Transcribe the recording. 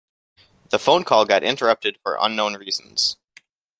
The phone call got interrupted for unknown reasons.